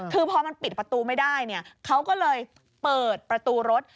คือพอมันปิดประตูไม่ได้เขาก็เลยเปิดประตูรถ